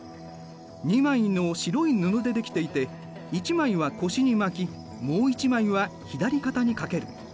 ２枚の白い布で出来ていて一枚は腰に巻きもう一枚は左肩にかける。